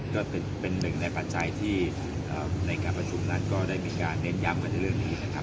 ก็เป็นหนึ่งในปัจจัยที่ในการประชุมนั้นก็ได้มีการเน้นย้ำกันในเรื่องนี้นะครับ